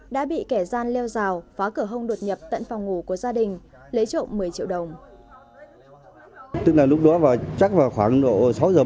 đã bị kẻ gian leo rào phá cửa hông đột nhập tận phòng ngủ của gia đình lấy trộm một mươi triệu đồng